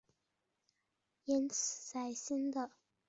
因此在新的文献中它往往与隼雕属合并。